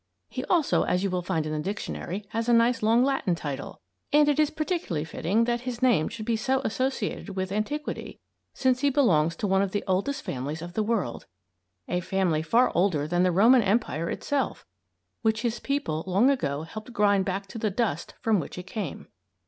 He also, as you will find in the dictionary, has a nice long Latin title. And it is particularly fitting that his name should be so associated with antiquity, since he belongs to one of the oldest families in the world; a family far older than the Roman Empire itself, which his people long ago helped grind back into the dust from which it came.